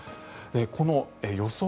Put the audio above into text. この予想